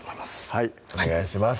はいお願いします